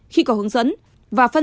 khi có hướng dẫn